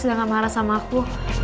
gak marah sama aku